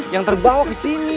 yang terbawa kesini